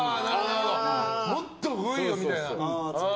もっと来いよみたいな。